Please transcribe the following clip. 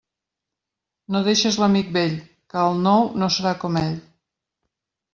No deixes l'amic vell, que el nou no serà com ell.